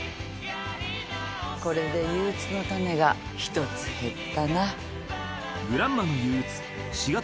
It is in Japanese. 「これで憂鬱の種が１つ減ったな」